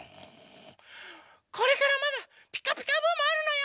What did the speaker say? これからまだ「ピカピカブ！」もあるのよ！